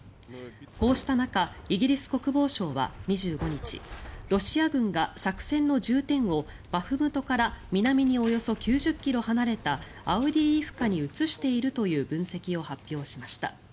こうした中、イギリス国防省は２５日ロシア軍が作戦の重点をバフムトから南におよそ９０ｋｍ離れたアウディイフカに移しているという分析を発表しました。